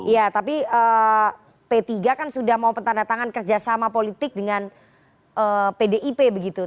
ya tapi p tiga kan sudah mau tanda tangan kerjasama politik dengan pdip begitu